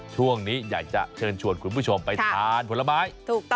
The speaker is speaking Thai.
ช่วงนี้อยากจะเชิญคุณผู้ชมไปทานผลไม้